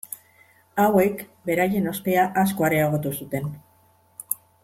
Hauek beraien ospea asko areagotu zuten.